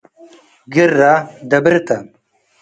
ግረ፣ ደብር ተ።